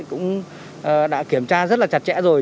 cũng đã kiểm tra rất là chặt chẽ rồi